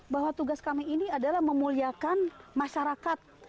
bahwa tugas kami ini adalah memuliakan masyarakat